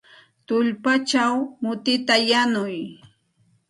Tullpachaw mutita alsay.